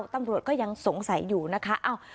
ตำรวจก็ยังสงสัยอยู่นะคะ